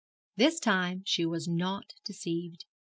This time she was not deceived.